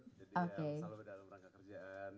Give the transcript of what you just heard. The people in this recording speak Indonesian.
jadi ya selalu berdalam rangka kerjaan